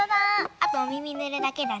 あとおみみぬるだけだね。